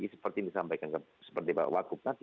seperti yang disampaikan seperti pak wakub tadi